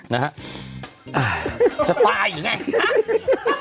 ไงครับจะตายหรือยัง